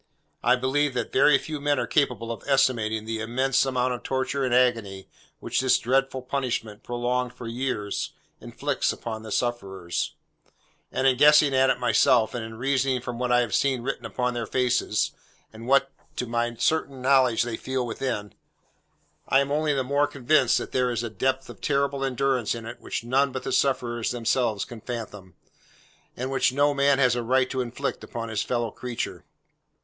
I believe that very few men are capable of estimating the immense amount of torture and agony which this dreadful punishment, prolonged for years, inflicts upon the sufferers; and in guessing at it myself, and in reasoning from what I have seen written upon their faces, and what to my certain knowledge they feel within, I am only the more convinced that there is a depth of terrible endurance in it which none but the sufferers themselves can fathom, and which no man has a right to inflict upon his fellow creature.